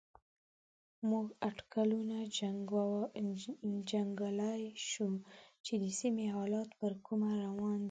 موږ اټکلونه جنګولای شو چې د سيمې حالات پر کومه روان دي.